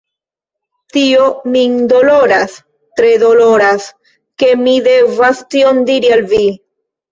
Tio min doloras, tre doloras, ke mi devas tion diri al vi.